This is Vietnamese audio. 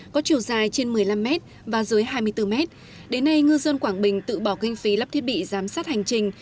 có chiều dài trên một mươi năm m và dưới hai mươi bốn m đến nay ngư dân quảng bình tự bỏ kinh phí lắp thiết bị giám sát hành trình